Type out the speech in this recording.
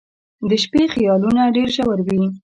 • د شپې خیالونه ډېر ژور وي.